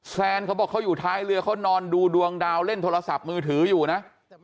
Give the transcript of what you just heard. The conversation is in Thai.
แฟนเขาบอกเขาอยู่ท้ายเรือเขานอนดูดวงดาวเล่นโทรศัพท์มือถืออยู่นะ